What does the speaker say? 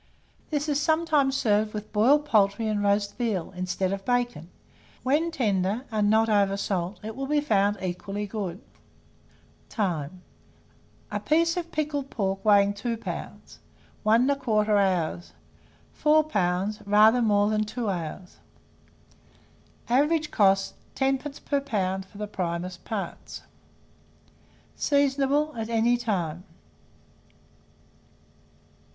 This is sometimes served with boiled poultry and roast veal, instead of bacon: when tender, and not over salt, it will be found equally good. Time. A piece of pickled pork weighing 2 lbs., 1 1/4 hour; 4 lbs., rather more than 2 hours. Average cost, 10d. per lb. for the primest parts. Seasonable at any time.